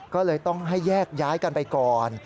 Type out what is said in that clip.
ก็เลยต้องให้แยกย้ายกันไปก่อน